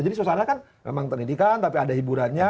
jadi suasana kan memang terdidikan tapi ada hiburannya